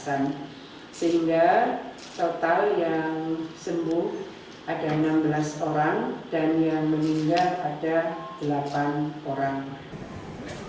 sehingga total yang sembuh ada enam belas orang dan yang meninggal ada delapan orang